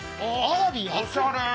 おしゃれ。